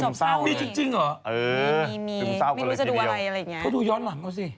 ซึมเศร้านี่จริงเหรอดูเรื่องหลังก็สิ